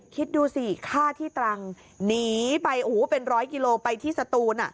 คิดดูสิฆ่าที่ตรังหนีไปโอ้โหเป็นร้อยกิโลไปที่สตูน